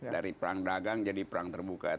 dari perang dagang jadi perang terbuka